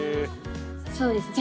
そうですね。